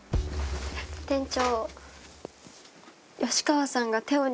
店長。